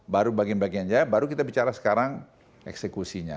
baru bagian bagiannya baru kita bicara sekarang eksekusinya